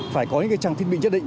phải có những trang thiết bị nhất định